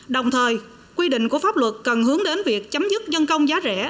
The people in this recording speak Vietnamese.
đồng thời quy định của pháp luật cần hướng đến việc chấm dứt nhân công giá rẻ